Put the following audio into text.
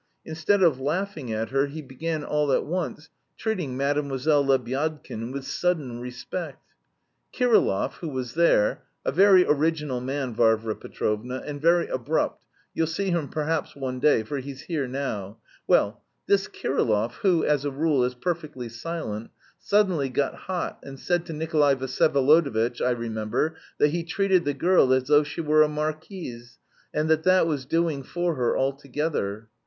Instead of laughing at her he began all at once treating Mlle. Lebyadkin with sudden respect. Kirillov, who was there (a very original man, Varvara Petrovna, and very abrupt, you'll see him perhaps one day, for he's here now), well, this Kirillov who, as a rule, is perfectly silent, suddenly got hot, and said to Nikolay Vsyevolodovitch, I remember, that he treated the girl as though she were a marquise, and that that was doing for her altogether.